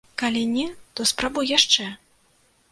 Калі не, то спрабуй яшчэ!